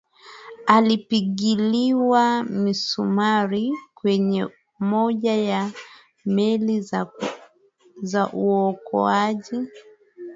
alipigiliwa misumari kwenye moja ya meli za uokoaji